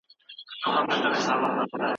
آيا خاوند بايد د ميرمني مراعات وکړي؟